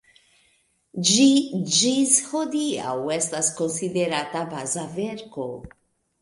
Ĝi ĝis hodiaŭ estas konsiderata baza verko.